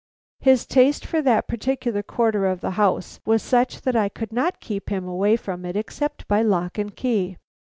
His taste for that particular quarter of the house was such that I could not keep him away from it except by lock and key.